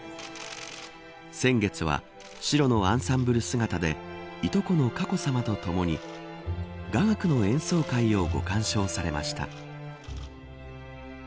先月は白のアンサンブル姿でいとこの佳子さまとともに雅楽の演奏会をご鑑賞されました。